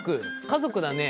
家族だね。